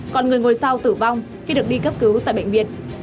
còn người ngồi sau tử vong khi được đi cấp cứu tại bệnh viện